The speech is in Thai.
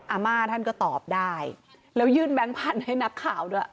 อาม่าท่านก็ตอบได้แล้วยื่นแบงค์พันธุ์ให้นักข่าวด้วย